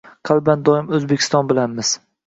Qalban doim O‘zbekiston bilanmiz!